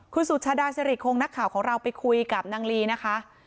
คุณสุชาดาสิริคงนักข่าวของเราไปคุยกับนางลีนะคะ